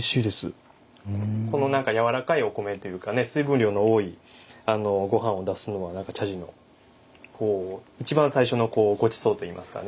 この何か柔らかいお米というかね水分量の多いご飯を出すのは茶事の一番最初のごちそうといいますかね。